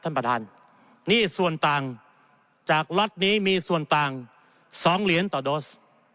ท่านประธานหนี้ส่วนต่างจากล็อตนี้มีส่วนต่าง๒เหรียญต่อโดส